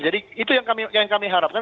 jadi itu yang kami harapkan